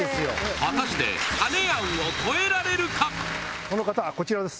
果たして金やんをその方はこちらです。